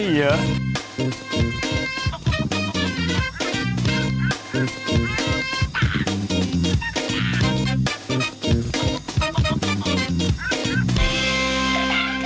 โปรดติดตามตอนต่อไป